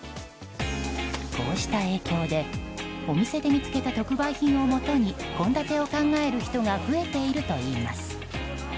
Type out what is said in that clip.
こうした影響でお店で見つけた特売品をもとに献立を考える人が増えているといいます。